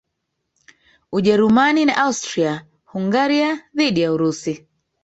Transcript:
Ujerumani na Austria Hungaria dhidi ya Urusi